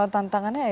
tantangannya ya itu